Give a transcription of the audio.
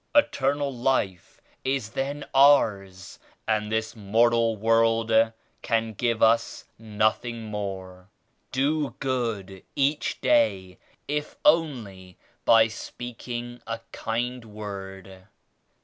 Eternal Life is then ours and this mortal world can give us nothing more. Do good each day, if only by speaking a kind word.